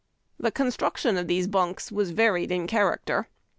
The construction of these bunks was varied in character.